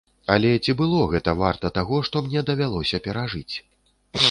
Але ці было гэта варта таго, што мне давялося перажыць?